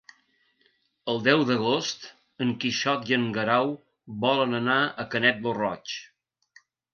El deu d'agost en Quixot i en Guerau volen anar a Canet lo Roig.